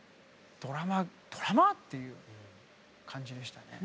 「ドラマドラマ？」っていう感じでしたね。